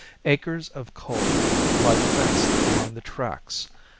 Acres of coal lie fenced along the tracks.